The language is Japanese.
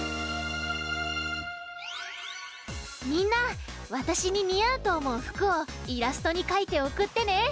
みんなわたしににあうとおもうふくをイラストにかいておくってね！